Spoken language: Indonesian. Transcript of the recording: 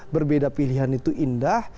berbeda pilihan itu indah